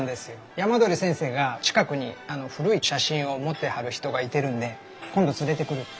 山鳥先生が近くに古い写真を持ってはる人がいてるんで今度連れてくるって。